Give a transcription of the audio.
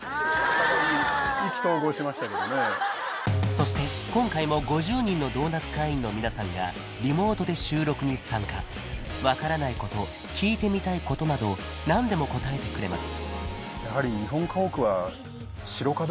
お互いにそして今回も５０人のドーナツ会員の皆さんがリモートで収録に参加分からないこと聞いてみたいことなど何でも答えてくれます